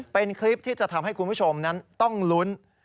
เป็นคลิปที่จะทำให้คุณผู้ชมนั้นต้องลุ้น